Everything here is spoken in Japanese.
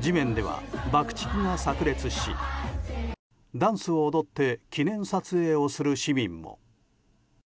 地面では、爆竹が炸裂しダンスを踊って記念撮影をする市民も。